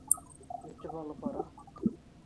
Өтөп алып бара!